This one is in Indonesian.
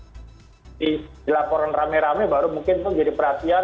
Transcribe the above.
dilaporin rame rame baru mungkin tuh jadi perhatian